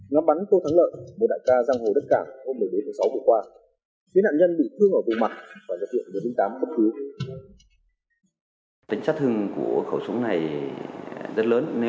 ngắm bắn tô thắng lợi một đại ca giang hồ đất cảng hôm một mươi bốn tháng sáu vừa qua